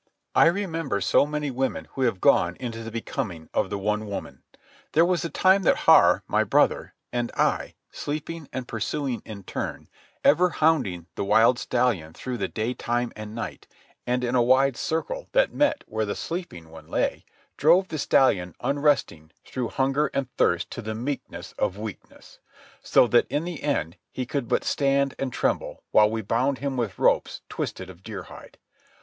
I remember so many women who have gone into the becoming of the one woman. There was the time that Har, my brother, and I, sleeping and pursuing in turn, ever hounding the wild stallion through the daytime and night, and in a wide circle that met where the sleeping one lay, drove the stallion unresting through hunger and thirst to the meekness of weakness, so that in the end he could but stand and tremble while we bound him with ropes twisted of deer hide.